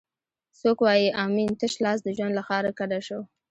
څوک وایي امین تش لاس د ژوند له ښاره کډه شو؟